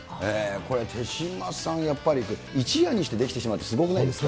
これ、手嶋さん、やっぱり一夜にして出来てしまうってすごくないですか。